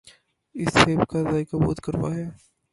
اس سیب کا ذائقہ بہت کڑوا ہے۔